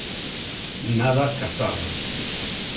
Nada casaba.